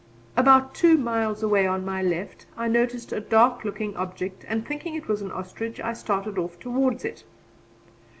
About two miles away on my left, I noticed a dark looking object and thinking it was an ostrich I started off towards it.